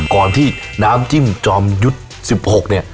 ก่อนที่น้ำจิ้มจอมยุทธ์๑๖เนี่ย